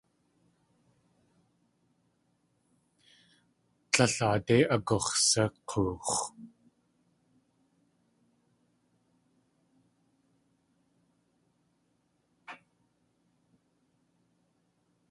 Tlél aadé agux̲sak̲oox̲.